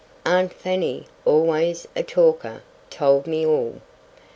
Aunt Fanny—always a talker—told me all.